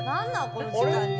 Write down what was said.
この時間に。